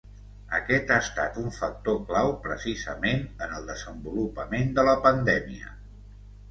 Aquest ha estat un factor clau precisament en el desenvolupament de la pandèmia.